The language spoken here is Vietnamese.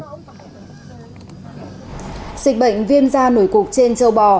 dịch bệnh viêm da nổi cục trên châu bò